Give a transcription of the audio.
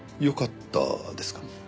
よかったですか？